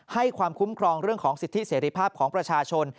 ความคุ้มครองเรื่องของสิทธิเสรีภาพของประชาชน